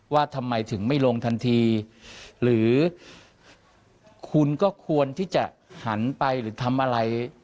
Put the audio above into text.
ว่าทำไมถึงไม่ลงทันทีหรือคุณก็ควรที่จะหันไปหรือทำอะไร